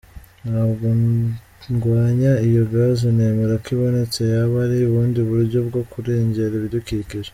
Ntabwo ndwanya iyo gaz, nemera ko ibonetse yaba ari ubundi buryo bwo kurengera ibidukikije.